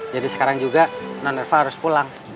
jadi sekarang juga nan reva harus pulang